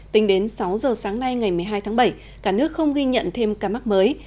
tính đến sáu giờ sáng nay ngày một mươi hai tháng bảy cả nước không ghi nhận thêm ca mắc mới